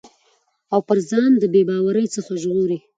او پر ځان د بې باورٸ څخه ژغوري